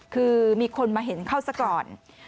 คือมีคนมาเห็นเขาซะก่อน